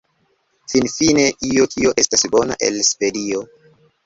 Finfine, io kio estas bona el Svedio